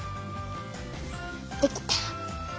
できた！